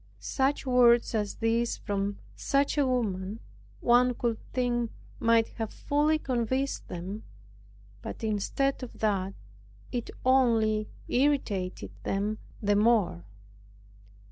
Such words as these, from such a woman, one would think might have fully convinced them; but instead of that, it only irritated them the more.